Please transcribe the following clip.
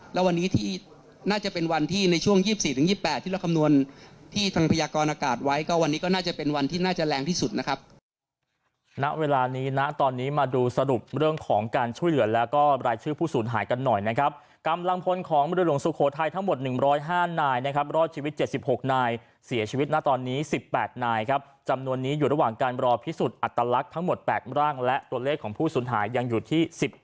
และวันนี้น่าจะเป็นวันที่ในช่วง๒๔๒๘ที่เราคำนวนที่ทางพยากรอากาศไว้